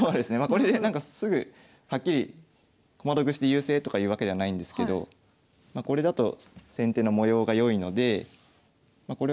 これでなんかすぐはっきり駒得して優勢とかいうわけではないんですけどこれだと先手の模様が良いのでこれはね